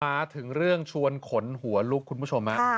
มาถึงเรื่องชวนขนหัวลุกคุณผู้ชม